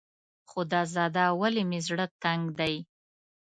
خدازده ولې مې زړه تنګ دی.